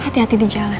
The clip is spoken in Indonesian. hati hati di jalan